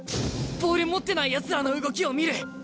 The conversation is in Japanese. ボール持ってないやつらの動きを見る。